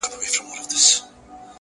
بې رنګه کندهاري کشمش